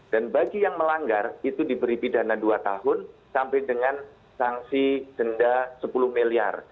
dan bagi yang melanggar itu diberi pidana dua tahun sampai dengan sanksi denda sepuluh miliar